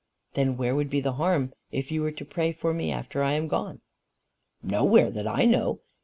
"Then where would be the harm if you were to pray for me after I am gone?" "Nowhere that I know.